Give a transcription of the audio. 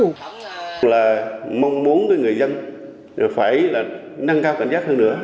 chúng tôi mong muốn người dân phải nâng cao cảnh giác hơn nữa